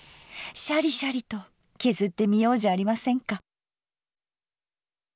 シャリシャリと削ってみようじゃありませんか。